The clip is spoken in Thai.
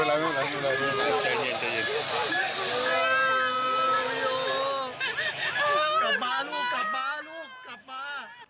เจ้าที่หลงช่วยลูกกลับมาลูกกลับมาลูกกลับมา